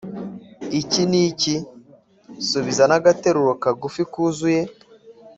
Iki ni iki? Subiza nagateruro kagufi kuzuye